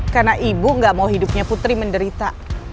karena ibu gak mau hidupnya putri menderita